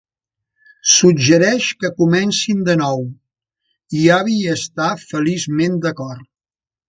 Suggereix que comencin de nou, i Abby hi està feliçment d'acord.